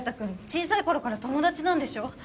小さい頃から友達なんでしょ？